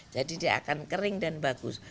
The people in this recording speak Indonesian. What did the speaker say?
jadi dia akan kering dan bagus